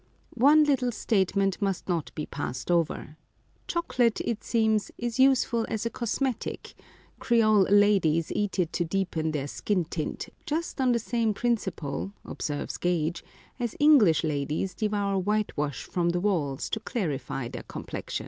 One little statement must not be passed over. Chocolate, it seems, is useful as a cosmetic ; Creole ladies eat it to deepen their skin tint, just on the same principle, observes Gage, as English ladies devour whitewash from the walls to clarify their complexion.